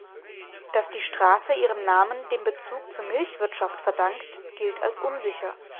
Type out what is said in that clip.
Dass die Straße ihren Namen dem Bezug zur Milchwirtschaft verdankt, gilt als unsicher.